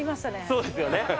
そうですよね！